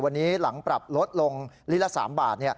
วันนี้หลังปรับลดลงลิตรละ๓บาท